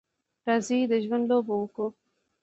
راځئ د ژوند لوبه وکړو.